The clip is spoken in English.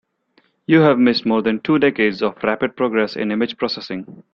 You have missed more than two decades of rapid progress in image processing.